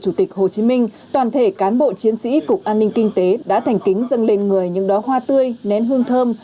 hồ chí minh toàn thể cán bộ chiến sĩ cục an ninh kinh tế đã thành kính dâng lên người những đói hoa tươi nén hương thơm